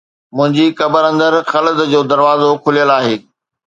منهنجي قبر اندر خلد جو دروازو کليل آهي